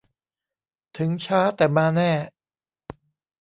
ถึงช้าแต่มาแน่